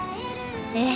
ええ。